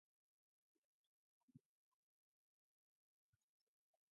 The cadenzas by Fritz Kreisler are probably most often employed.